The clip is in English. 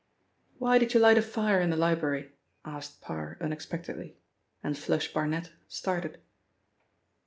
"Why did you light a fire in the library?" asked Parr unexpectedly, and 'Flush' Barnet started.